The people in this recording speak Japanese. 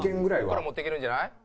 ここから持っていけるんじゃない？